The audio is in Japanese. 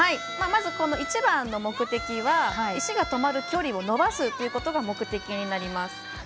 まず一番の目的は石が止まる距離を伸ばすことが目的になります。